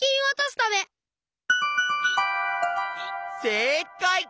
せいかい！